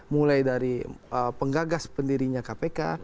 mulai dari penggagas pendirinya kpk